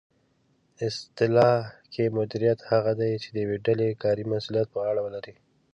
اصطلاح کې مدیر هغه دی چې د یوې ډلې کاري مسؤلیت په غاړه ولري